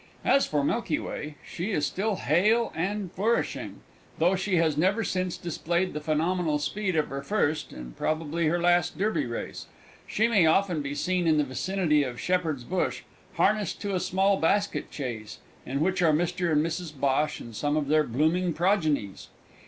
As for Milky Way, she is still hale and flourishing, though she has never since displayed the phenomenal speed of her first (and probably her last) Derby race. She may often be seen in the vicinity of Shepherd's Bush, harnessed to a small basketchaise, in which are Mr and Mrs Bhosh and some of their blooming progenies.